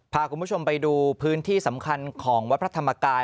พาคุณผู้ชมไปดูพื้นที่สำคัญของวัดพระธรรมกาย